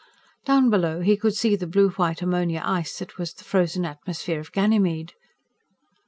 Down below, he could see the blue white ammonia ice that was the frozen atmosphere of Ganymede.